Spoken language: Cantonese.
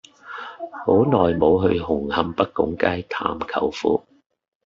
好耐無去紅磡北拱街探舅父